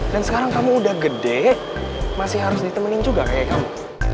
dan sekarang kamu udah gede masih harus ditemenin juga kayak kamu